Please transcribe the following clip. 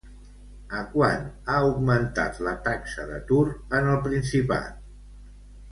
A quant ha augmentat la taxa d'atur en el Principat?